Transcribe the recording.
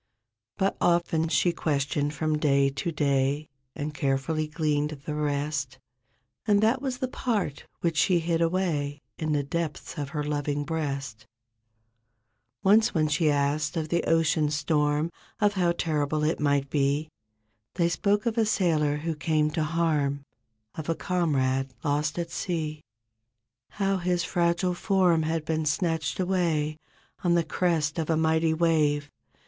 But often she questioned from da> to day And carefully gleaned the rest, 4 1 And that was the part which she hid away In the depths of her loving breast, Once when she asked of the ocean storm Of how terrible it might be, They spoke of a sailor who came to harm Of a comrade lost at sea. How his fragile form had been snatched away On the crest of a mighty wave.